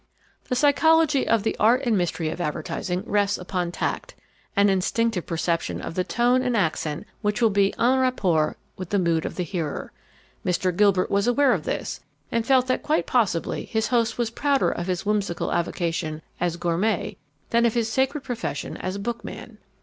The psychology of the art and mystery of Advertising rests upon tact, an instinctive perception of the tone and accent which will be en rapport with the mood of the hearer. Mr. Gilbert was aware of this, and felt that quite possibly his host was prouder of his whimsical avocation as gourmet than of his sacred profession as a bookman.